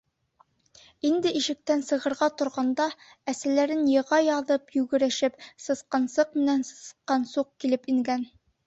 Инде ишектән сығырға торғанда, әсәләрен йыға яҙып йүгерешеп, Сысҡансыҡ менән Сысҡансуҡ килеп ингән.